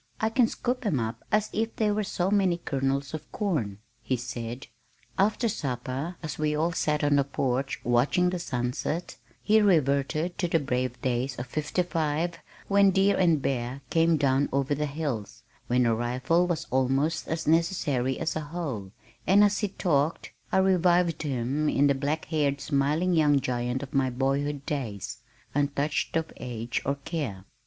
"I can scoop 'em up as if they were so many kernels of corn," he said. After supper as we all sat on the porch watching the sunset, he reverted to the brave days of fifty five when deer and bear came down over the hills, when a rifle was almost as necessary as a hoe, and as he talked I revived in him the black haired smiling young giant of my boyhood days, untouched of age or care.